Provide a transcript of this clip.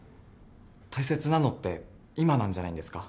大切なのって今なんじゃないんですか？